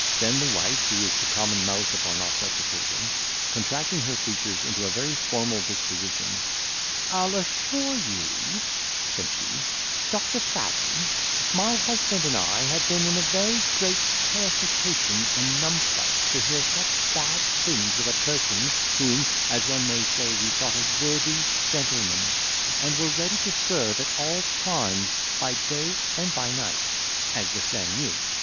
Then the wife, who was the common mouth upon all such occasions, contracting her features into a very formal disposition, "I'll assure you," said she, "Doctor Fathom, my husband and I have been in a very great terrification and numplush, to hear such bad things of a person, whom, as one may say, we thought a worthy gentleman, and were ready to serve at all times, by day and by night, as the saying is.